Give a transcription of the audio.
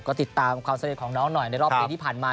ไปติดตามความเสด็จของเค้าหน่อยในรอบปีที่ผ่านมา